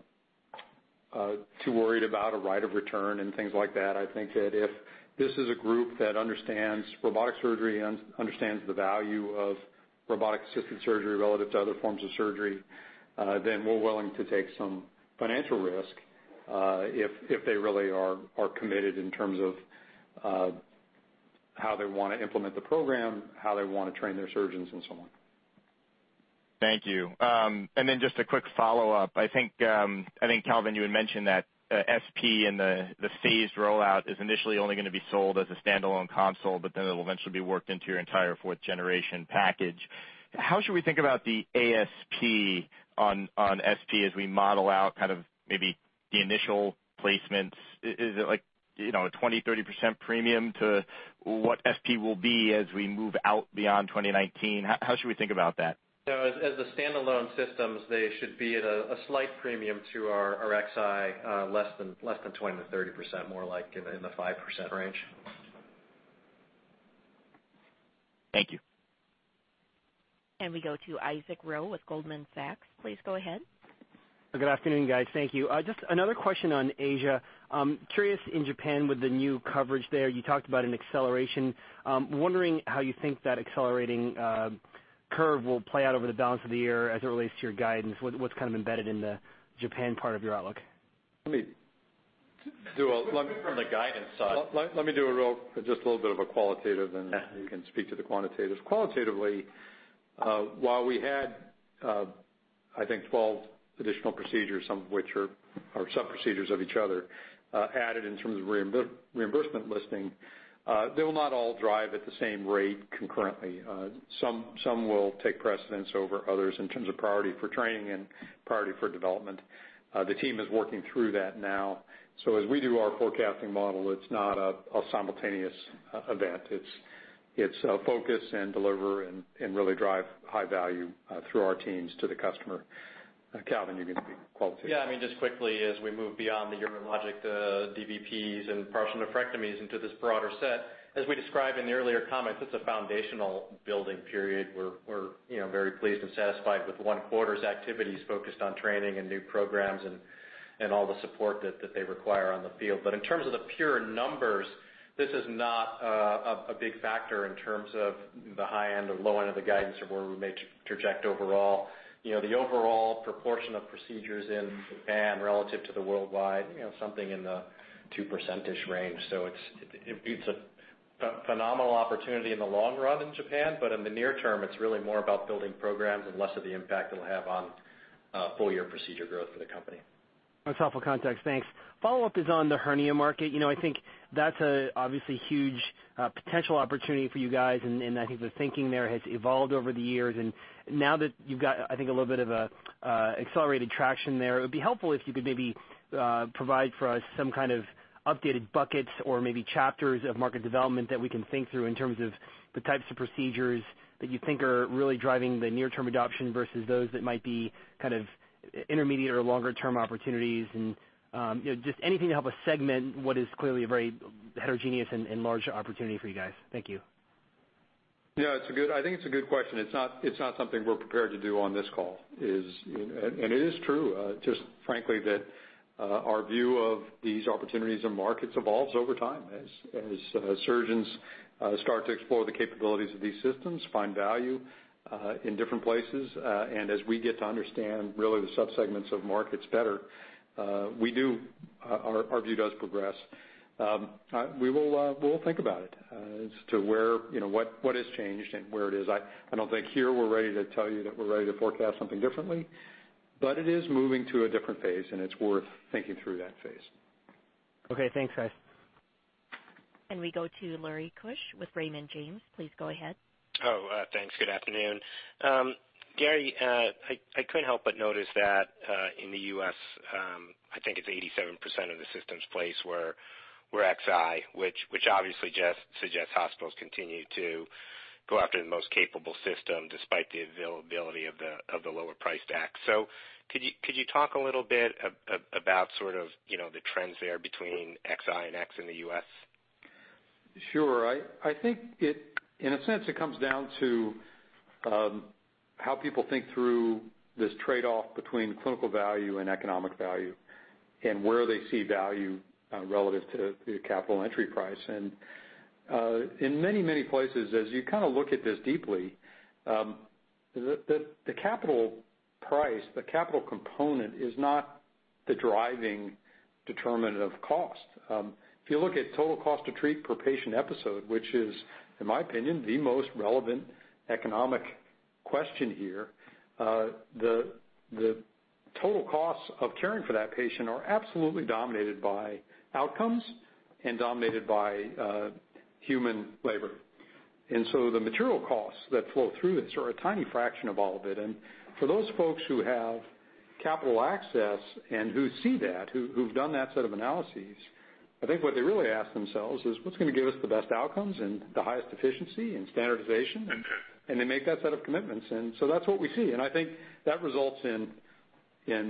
too worried about a right of return and things like that. I think that if this is a group that understands robotic surgery and understands the value of robotic-assisted surgery relative to other forms of surgery, then we're willing to take some financial risk if they really are committed in terms of how they want to implement the program, how they want to train their surgeons, and so on. Thank you. Just a quick follow-up. I think, Calvin, you had mentioned that da Vinci SP and the phased rollout is initially only going to be sold as a standalone console, it'll eventually be worked into your entire fourth-generation package. How should we think about the ASP on da Vinci SP as we model out maybe the initial placements? Is it like a 20%-30% premium to what da Vinci SP will be as we move out beyond 2019? How should we think about that? As the standalone systems, they should be at a slight premium to our da Vinci Xi, less than 20%-30%, more like in the 5% range. Thank you. We go to Isaac Ro with Goldman Sachs. Please go ahead. Good afternoon, guys. Thank you. Just another question on Asia. Curious in Japan with the new coverage there, you talked about an acceleration. Wondering how you think that accelerating curve will play out over the balance of the year as it relates to your guidance. What's kind of embedded in the Japan part of your outlook? Let me do a- From the guidance side. Let me do a real, just a little bit of a qualitative, and you can speak to the quantitative. Qualitatively, while we had, I think, 12 additional procedures, some of which are sub-procedures of each other, added in terms of reimbursement listing, they will not all drive at the same rate concurrently. Some will take precedence over others in terms of priority for training and priority for development. The team is working through that now. As we do our forecasting model, it's not a simultaneous event. It's focus and deliver and really drive high value through our teams to the customer. Calvin, you can speak qualitatively. Just quickly, as we move beyond the urologic DVPs and partial nephrectomies into this broader set, as we described in the earlier comments, it's a foundational building period. We're very pleased and satisfied with one quarter's activities focused on training and new programs and all the support that they require on the field. In terms of the pure numbers, this is not a big factor in terms of the high end or low end of the guidance of where we may traject overall. The overall proportion of procedures in Japan relative to the worldwide, something in the 2%ish range. It's a phenomenal opportunity in the long run in Japan, but in the near term, it's really more about building programs and less of the impact it'll have on full-year procedure growth for the company. That's helpful context. Thanks. Follow-up is on the hernia market. I think that's a obviously huge potential opportunity for you guys, and I think the thinking there has evolved over the years. Now that you've got, I think, a little bit of an accelerated traction there, it would be helpful if you could maybe provide for us some kind of updated buckets or maybe chapters of market development that we can think through in terms of the types of procedures that you think are really driving the near-term adoption versus those that might be kind of intermediate or longer-term opportunities, and just anything to help us segment what is clearly a very heterogeneous and large opportunity for you guys. Thank you. I think it's a good question. It's not something we're prepared to do on this call. It is true, just frankly, that our view of these opportunities and markets evolves over time as surgeons start to explore the capabilities of these systems, find value in different places, and as we get to understand really the sub-segments of markets better, our view does progress. We will think about it as to what has changed and where it is. I don't think here we're ready to tell you that we're ready to forecast something differently, it is moving to a different phase, and it's worth thinking through that phase. Thanks, guys. We go to Lawrence Keusch with Raymond James. Please go ahead. Thanks. Good afternoon. Gary, I couldn't help but notice that in the U.S., I think it's 87% of the systems placed were Xi, which obviously suggests hospitals continue to go after the most capable system despite the availability of the lower priced X. Could you talk a little bit about sort of the trends there between Xi and X in the U.S.? Sure. I think in a sense, it comes down to how people think through this trade-off between clinical value and economic value and where they see value relative to the capital entry price. In many, many places, as you kind of look at this deeply, the capital price, the capital component is not the driving determinant of cost. If you look at total cost to treat per patient episode, which is, in my opinion, the most relevant economic question here, the total costs of caring for that patient are absolutely dominated by outcomes and dominated by human labor. The material costs that flow through this are a tiny fraction of all of it. For those folks who have capital access and who see that, who've done that set of analyses, I think what they really ask themselves is, "What's going to give us the best outcomes and the highest efficiency and standardization?" They make that set of commitments, so that's what we see. I think that results in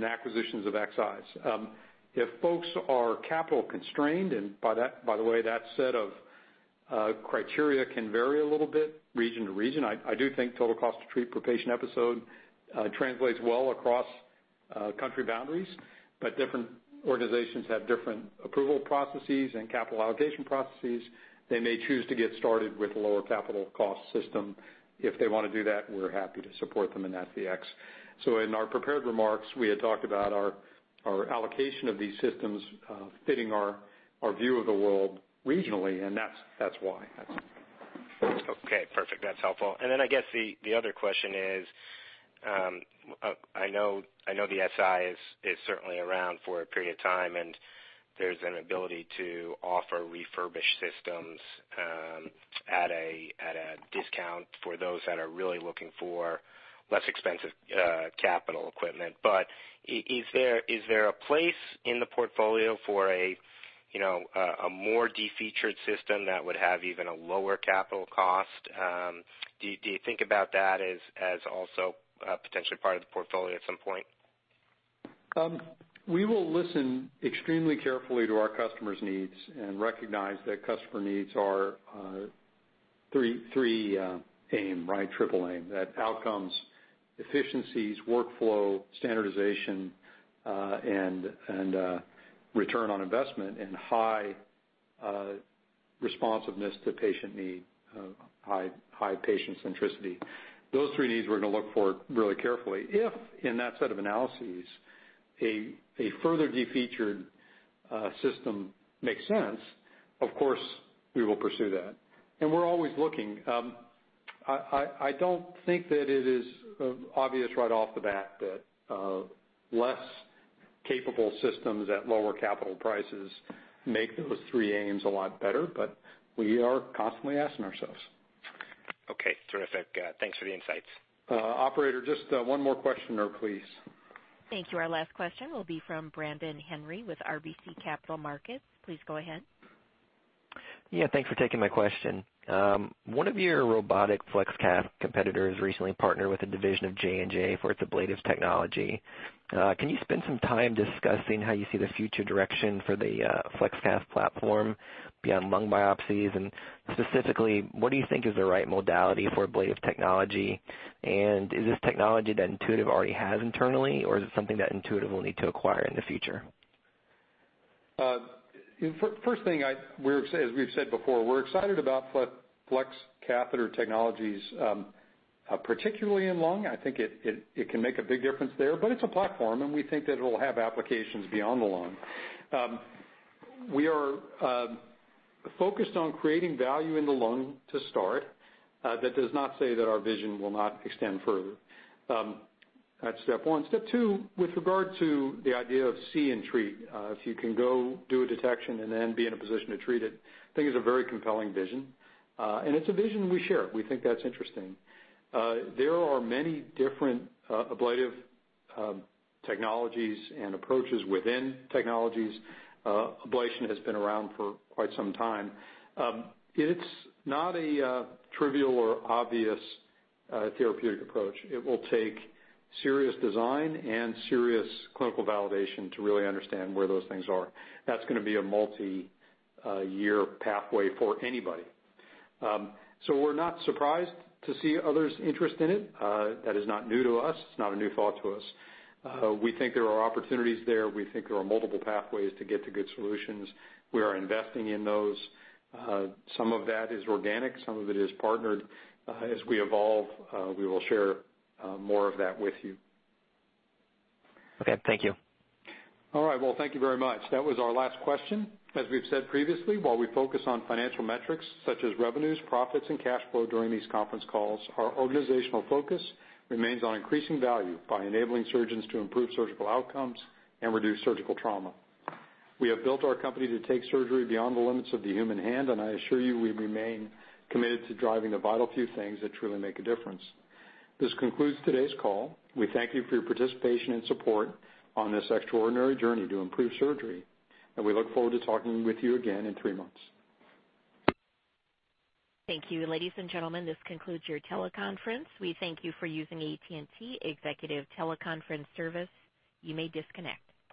acquisitions of Xis. If folks are capital constrained, and by the way, that set of criteria can vary a little bit region to region. I do think total cost to treat per patient episode translates well across country boundaries, but different organizations have different approval processes and capital allocation processes. They may choose to get started with a lower capital cost system. If they want to do that, we're happy to support them in that X. In our prepared remarks, we had talked about our allocation of these systems fitting our view of the world regionally, and that's why. Okay, perfect. That's helpful. I guess the other question is, I know the Si is certainly around for a period of time, and there's an ability to offer refurbished systems at a discount for those that are really looking for less expensive capital equipment. Is there a place in the portfolio for a more defeatured system that would have even a lower capital cost? Do you think about that as also potentially part of the portfolio at some point? We will listen extremely carefully to our customers' needs and recognize that customer needs are three aim, right? Triple aim. That outcomes, efficiencies, workflow, standardization, and return on investment and high responsiveness to patient need, high patient centricity. Those three needs we're going to look for really carefully. If, in that set of analyses, a further de-featured system makes sense, of course, we will pursue that. We're always looking. I don't think that it is obvious right off the bat that less capable systems at lower capital prices make those three aims a lot better, we are constantly asking ourselves. Okay. Terrific. Thanks for the insights. Operator, just one more questioner, please. Thank you. Our last question will be from Brandon Henry with RBC Capital Markets. Please go ahead. Thanks for taking my question. One of your robotic flex cath competitors recently partnered with a division of J&J for its ablative technology. Specifically, what do you think is the right modality for ablative technology? Is this technology that Intuitive already has internally, or is it something that Intuitive will need to acquire in the future? First thing, as we've said before, we're excited about flex catheter technologies, particularly in lung. I think it can make a big difference there, but it's a platform, and we think that it'll have applications beyond the lung. We are focused on creating value in the lung to start. That does not say that our vision will not extend further. That's step one. Step two, with regard to the idea of see and treat, if you can go do a detection and then be in a position to treat it, I think it's a very compelling vision, and it's a vision we share. We think that's interesting. There are many different ablative technologies and approaches within technologies. Ablation has been around for quite some time. It's not a trivial or obvious therapeutic approach. It will take serious design and serious clinical validation to really understand where those things are. That's going to be a multi-year pathway for anybody. We're not surprised to see others interested in it. That is not new to us. It's not a new thought to us. We think there are opportunities there. We think there are multiple pathways to get to good solutions. We are investing in those. Some of that is organic, some of it is partnered. As we evolve, we will share more of that with you. Okay. Thank you. All right. Well, thank you very much. That was our last question. As we've said previously, while we focus on financial metrics such as revenues, profits, and cash flow during these conference calls, our organizational focus remains on increasing value by enabling surgeons to improve surgical outcomes and reduce surgical trauma. We have built our company to take surgery beyond the limits of the human hand, and I assure you, we remain committed to driving the vital few things that truly make a difference. This concludes today's call. We thank you for your participation and support on this extraordinary journey to improve surgery, and we look forward to talking with you again in three months. Thank you. Ladies and gentlemen, this concludes your teleconference. We thank you for using AT&T Executive Teleconference Service. You may disconnect.